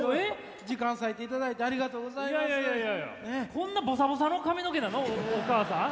こんなボサボサの髪の毛なのお母さん？